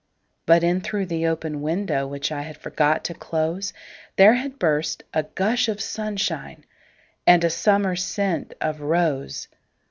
But in through the open window, Which I had forgot to close, There had burst a gush of sunshineAnd a summer scent of rose.